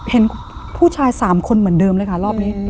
เห็นผู้ชาย๓คนเหมือนเดิมเลยค่ะรอบนี้